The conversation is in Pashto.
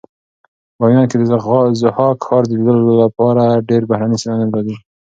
بامیان کې د ضحاک ښار د لیدلو لپاره ډېر بهرني سېلانیان راځي.